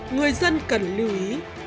người dân cần lưu ý